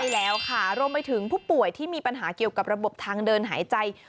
ใช่แล้วค่ะรวมไปถึงผู้ป่วยที่มีปัญหาเกี่ยวกับระบบทางเดินหายใจ